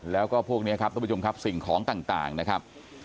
แล้วก็พวกนี้ครับทุกผู้ชมครับสิ่งของต่างนะครับ